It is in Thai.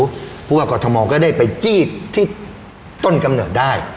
เพราะว่ากรทมก็ได้ไปจี้ที่ต้นกำเนิดได้